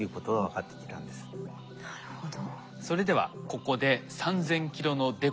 なるほど。